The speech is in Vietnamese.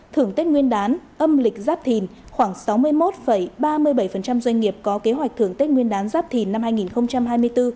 thưởng tết nguyên đán âm lịch giáp thìn khoảng sáu mươi một ba mươi bảy doanh nghiệp có kế hoạch thưởng tết nguyên đán giáp thìn năm hai nghìn hai mươi bốn